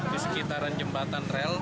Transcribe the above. di sekitaran jembatan rel